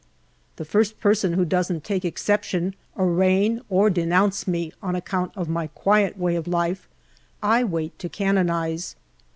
The iirst person who doesn't take exception, arraign, or de nounce me, on account of my quiet way of life, I wait to canonize.